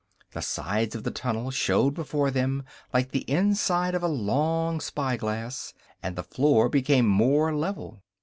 The sides of the tunnel showed before them like the inside of a long spy glass, and the floor became more level.